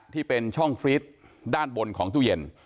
ที่เป็นช่องฟรีดด้านบนของตู้เย็น